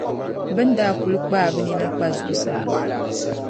Bɛ ni daa na kul kpaai bɛ nina kpa zuɣusaa.